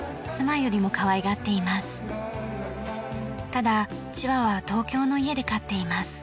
ただチワワは東京の家で飼っています。